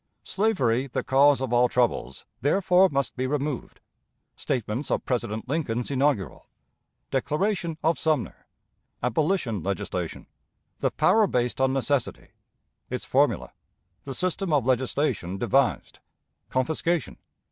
Slavery the Cause of all Troubles, therefore must be removed. Statements of President Lincoln's Inaugural. Declaration of Sumner. Abolition Legislation. The Power based on Necessity. Its Formula. The System of Legislation devised. Confiscation.